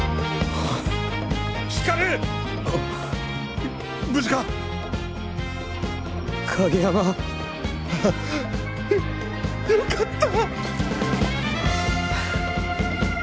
あっよ良かった。